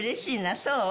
そう？